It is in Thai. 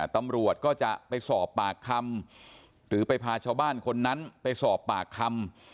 ตำรวจก็จะไปสอบปากคำหรือไปพาชาวบ้านคนนั้นไปสอบปากคำ